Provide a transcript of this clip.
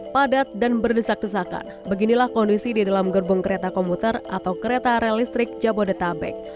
padat dan berdesak desakan beginilah kondisi di dalam gerbong kereta komuter atau kereta rel listrik jabodetabek